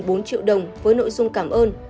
bốn triệu đồng với nội dung cảm ơn